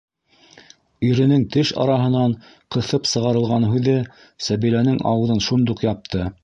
- Иренең теш араһынан ҡыҫып сығарылған һүҙе Сәбиләнең ауыҙын шундуҡ япты.